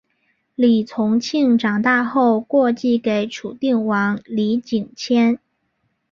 李从庆长大后过继给楚定王李景迁。